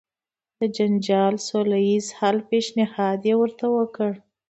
د جنجال د سوله ایز حل پېشنهاد یې ورته وکړ.